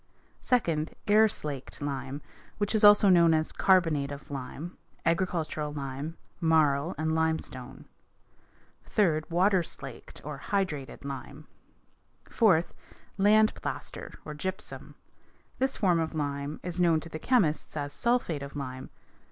Second, air slaked lime, which is also known as carbonate of lime, agricultural lime, marl, and limestone. Third, water slaked, or hydrated, lime. Fourth, land plaster, or gypsum. This form of lime is known to the chemists as sulphate of lime.